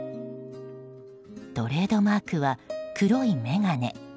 トレードマークは黒い眼鏡。